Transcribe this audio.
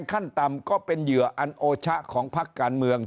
ก็เป็นเหลืออันโอชะของพรรคการเมือง